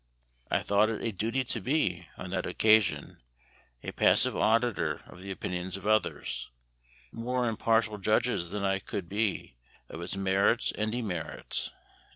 I thought it a duty to be, on that occasion, a passive auditor of the opinions of others, more impartial judges than I could be of its merits and demerits."